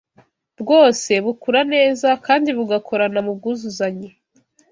bwose bukura neza kandi bugakorana mu bwuzuzanye